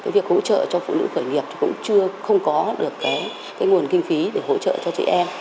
việc hỗ trợ cho phụ nữ khởi nghiệp cũng chưa không có được nguồn kinh phí để hỗ trợ cho chị em